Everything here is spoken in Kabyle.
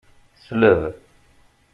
Tesleb.